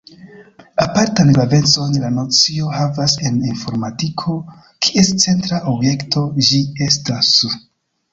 Apartan gravecon la nocio havas en informadiko, kies centra objekto ĝi estas.